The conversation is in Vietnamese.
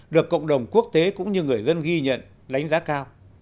được cộng đồng quốc tế cũng như người dân ghi nhận đánh giá cao